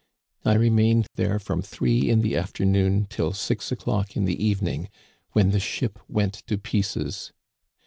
I remained there from three in the afternoon till six o'clock in the evening, when the ship went to pieces.